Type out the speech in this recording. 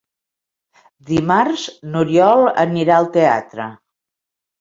Dimarts n'Oriol anirà al teatre.